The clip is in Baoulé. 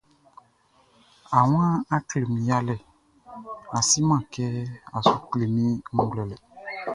A wan, a klɛ mi yalɛ, a si man kɛ, a sou klɛ mi nʼglouɛlɛ.